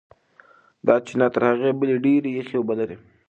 دا چینه تر هغې بلې ډېرې یخې اوبه لري.